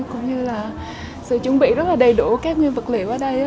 cũng như là sự chuẩn bị rất là đầy đủ các nguyên vật liệu ở đây